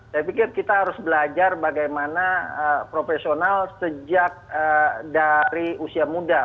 saya pikir kita harus belajar bagaimana profesional sejak dari usia muda